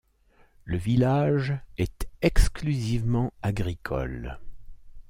Le village est exclusivement agricole.